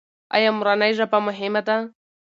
ایا مورنۍ ژبه مهمه ده؟